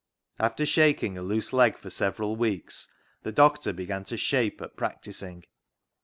After shaking a loose leg for several weeks, the doctor began to " shape " at practising.